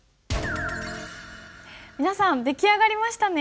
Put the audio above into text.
皆さん出来上がりましたね？